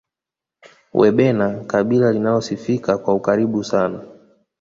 wabena kabila linalosifika kwa ukaribu sana